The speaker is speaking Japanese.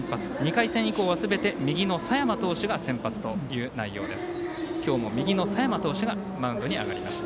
２回戦以降はすべて右の佐山投手が先発ということになります。